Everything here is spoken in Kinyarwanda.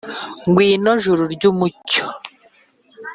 ngwino juru ry’umucyo